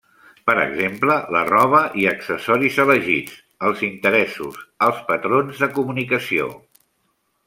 Per exemple, la roba i accessoris elegits, els interessos, els patrons de comunicació.